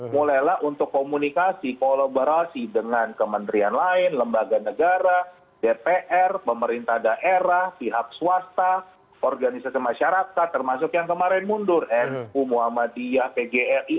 mulailah untuk komunikasi kolaborasi dengan kementerian lain lembaga negara dpr pemerintah daerah pihak swasta organisasi masyarakat termasuk yang kemarin mundur nu muhammadiyah pgri